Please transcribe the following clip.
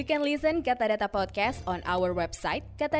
anda dapat mendengar podcast katadata di website kita